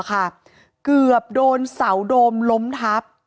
เกือบโดนเสาโดมล้มทับ